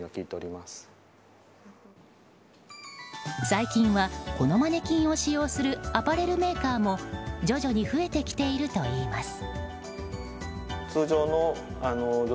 最近はこのマネキンを使用するアパレルメーカーも徐々に増えてきているといいます。